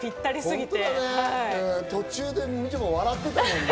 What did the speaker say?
途中でみちょぱ、笑ってたもんね。